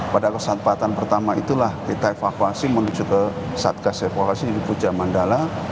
pada kesempatan pertama itulah kita evakuasi menuju ke satgas evakuasi di puja mandala